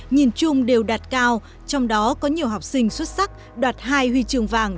nhìn chung đều đạt cao trong đó có nhiều học sinh xuất sắc đạt hai huy trường vàng